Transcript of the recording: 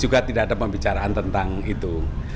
juga tidak ada pembicaraan tentang itu